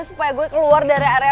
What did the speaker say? supaya gue keluar dari area